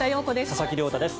佐々木亮太です。